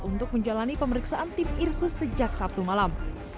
untuk menjalani pemeriksaan tim irsus sejak sabtu malam